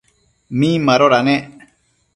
Min madoda nec ?